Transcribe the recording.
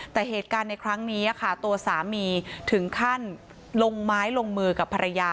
แต่เหตุการณ์ในครั้งนี้ค่ะตัวสามีถึงขั้นลงไม้ลงมือกับภรรยา